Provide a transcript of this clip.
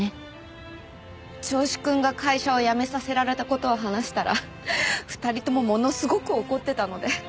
銚子くんが会社を辞めさせられた事を話したら２人ともものすごく怒ってたので。